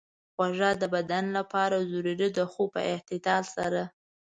خوږه د بدن لپاره ضروري ده، خو په اعتدال سره.